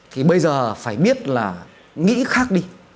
thì bây giờ phải biết là nghĩ khác đi